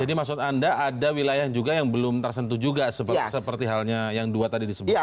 jadi maksud anda ada wilayah juga yang belum tersentuh juga seperti halnya yang dua tadi disebut